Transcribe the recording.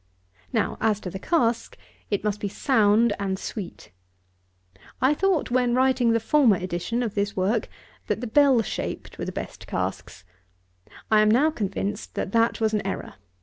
Now, as to the cask, it must be sound and sweet. I thought, when writing the former edition of this work, that the bell shaped were the best casks. I am now convinced that that was an error.